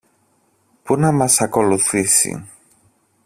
Πού να μας ακολουθήσει;